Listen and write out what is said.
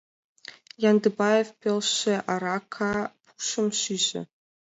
Яндыбаев пелше арака пушым шиже.